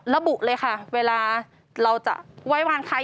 ระบุเลยค่ะเวลาเราจะไว้วางใคร